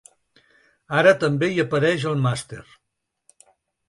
Ara també hi apareix el màster.